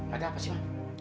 gak ada apa sih ma